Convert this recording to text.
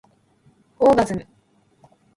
オーガズム